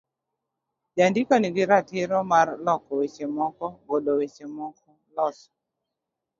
Jandiko nigi ratiro mar loko weche moko, golo weche moko, loso